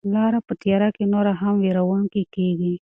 لاره په تیاره کې نوره هم وېروونکې کیږي.